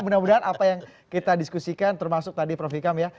mudah mudahan apa yang kita diskusikan termasuk tadi prof ikam ya